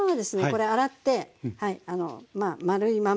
これ洗って丸いまま。